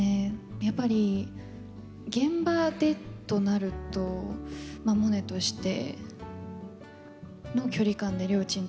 やっぱり現場でとなるとまあモネとしての距離感でりょーちんと